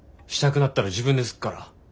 したくなったら自分ですっから。